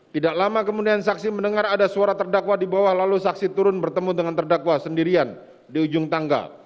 tidak lama kemudian saksi mendengar ada suara terdakwa di bawah lalu saksi turun bertemu dengan terdakwa sendirian di ujung tangga